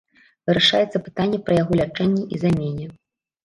Вырашаецца пытанне пра яго лячэнне і замене.